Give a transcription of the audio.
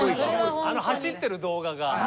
あの走ってる動画が。